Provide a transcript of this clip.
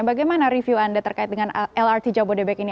bagaimana review anda terkait dengan lrt jabodebek ini